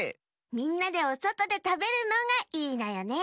みんなでおそとでたべるのがいいのよね。